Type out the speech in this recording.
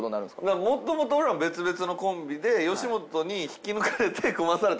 もともと俺ら別々のコンビで吉本に引き抜かれて組まされたコンビ。